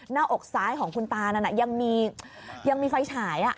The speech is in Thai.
หน้าอกซ้ายของคุณตานั้นยังมีไฟฉาย